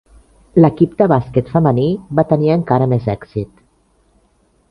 L'equip de bàsquet femení va tenir encara més èxit.